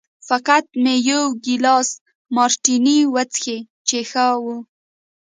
فقط مې یو ګیلاس مارتیني وڅښی چې ښه و.